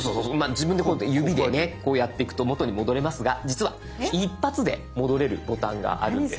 自分でこうやって指でねこうやっていくと元に戻れますが実は一発で戻れるボタンがあるんです。